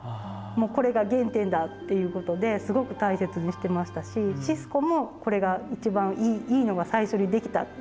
もうこれが原点だっていうことですごく大切にしてましたしシスコもこれが「一番いいのが最初に出来た。